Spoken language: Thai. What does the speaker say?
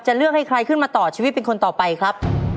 เลือกให้ใครขึ้นมาต่อชีวิตเป็นคนต่อไปครับ